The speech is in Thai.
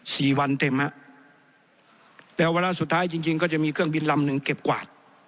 สี่วันเต็มฮะแล้วเวลาสุดท้ายจริงจริงก็จะมีเครื่องบินลำหนึ่งเก็บกวาด